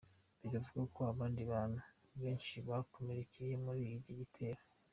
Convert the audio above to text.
Biravugwa ko abandi bantu benshi bakomerekeye muri icyo gitero.